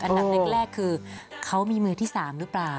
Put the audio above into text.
อันดับแรกคือเขามีมือที่๓หรือเปล่า